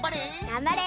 がんばれ。